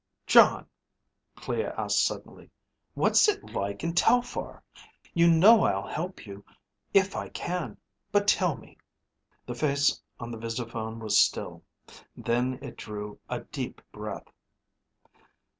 "Jon," Clea asked suddenly, "what's it like in Telphar? You know I'll help you if I can, but tell me." The face on the visiphone was still. Then it drew a deep breath.